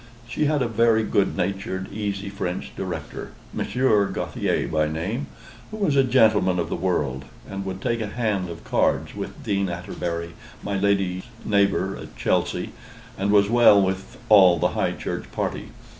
She had a very good natured, easy French director, Monsieur Gauthier by name, who was a gentleman of the world, and would take a hand of cards with Dean Atterbury, my lady's neighbor at Chelsey, and was well with all the High Church party.